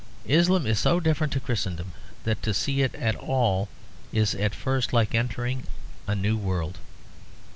Islam is so different to Christendom that to see it at all is at first like entering a new world.